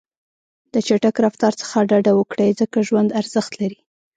د چټک رفتار څخه ډډه وکړئ، ځکه ژوند ارزښت لري.